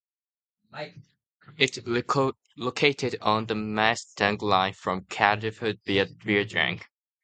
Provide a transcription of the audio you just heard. It located on the Maesteg Line from Cardiff via Bridgend.